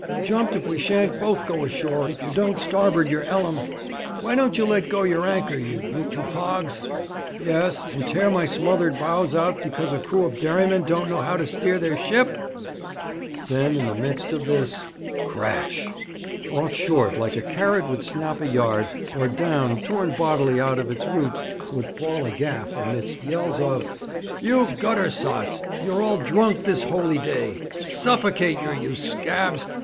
'Jumped if we shan't both go ashore if yer don't starboard yer 'ellum. Why don't you let go yer anchor, you rooting hogs?' 'Yes, and tear my smothered bows out because a crew of dairymen don't know how to steer their ship!' Then, in the midst of this crash! off short like a carrot would snap a yard, or down, torn bodily out by its roots, would fall a gaff, amidst yells of: 'You gutter sots! You're all drunk this holy day! Suffocate yer, you scabs!